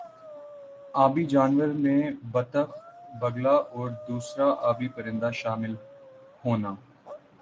آبی جانور میں بطخ بگلا اور دُوسْرا آبی پرندہ شامل ہونا